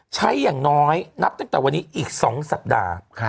อย่างน้อยนับตั้งแต่วันนี้อีก๒สัปดาห์